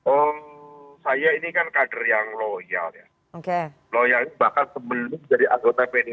oh saya ini kan kader yang loyal oke loyang bahkan sebelum jadi anggota pdi